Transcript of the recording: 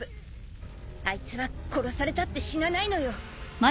あいつは殺されたって死なないのよ。